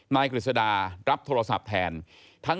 กฤษดารับโทรศัพท์แทน